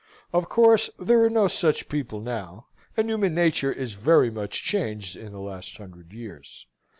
Of course there are no such people now; and human nature is very much changed in the last hundred years.